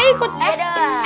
eh ikut dong